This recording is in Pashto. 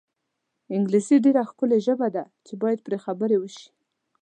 انګلیسي ډېره ښکلې ژبه ده چې باید پرې خبرې وشي.